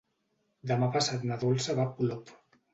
Demà passat na Dolça va a Polop.